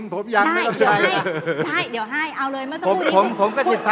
กไม่มันต้องพิมพ์